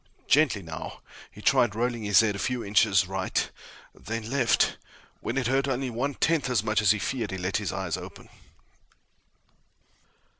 Gently, now, he tried rolling his head a few inches right, then left. When it hurt only one tenth as much as he feared, he let his eyes open.